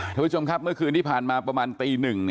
ท่านผู้ชมครับเมื่อคืนที่ผ่านมาประมาณตีหนึ่ง